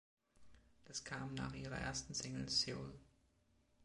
Das kam nach ihrer ersten Single „Seoul".